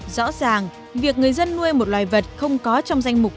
rõ ràng việc người dân nuôi một loài vật không có trong danh mục